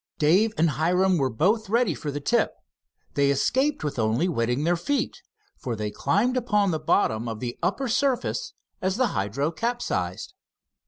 Dave and Hiram were both ready for the tip. They escaped with only wetting their feet, for they climbed upon the bottom of the upper surface as the hydro capsized.